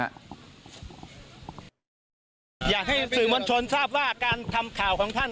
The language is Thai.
อยากให้สื่อมวลชนทราบว่าการทำข่าวของท่าน